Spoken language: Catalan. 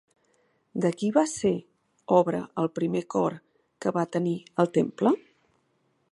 De qui va ser obra el primer cor que va tenir el temple?